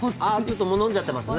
ちょっともう飲んじゃってますね。